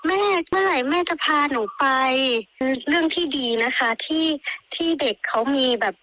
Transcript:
เมื่อไหร่แม่จะพาหนูไปคือเรื่องที่ดีนะคะที่ที่เด็กเขามีแบบ